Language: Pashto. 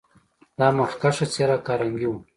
دا مخکښه څېره کارنګي و.